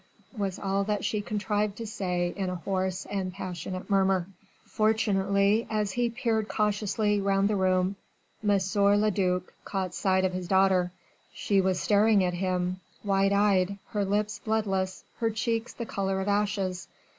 was all that she contrived to say in a hoarse and passionate murmur. Fortunately as he peered cautiously round the room, M. le duc caught sight of his daughter. She was staring at him wide eyed, her lips bloodless, her cheeks the colour of ashes.